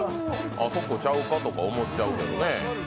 あそこちゃうかとか思っちゃうけどね。